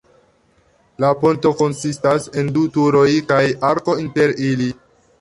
La ponto konsistas en du turoj kaj arko inter ili.